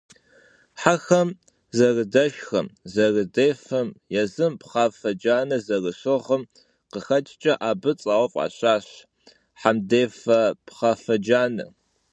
Хьэхэм зэрыдэшхэм, зэрыдефэм, езым пхъафэ джанэ зэрыщыгъым къыхэкӀкӀэ абы цӀэуэ фӀащащ «Хьэмдефэ Пхъафэджанэ».